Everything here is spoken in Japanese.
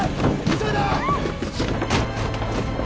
急いで！